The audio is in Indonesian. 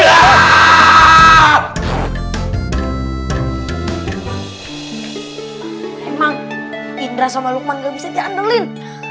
emang indra sama lukman gak bisa diandelin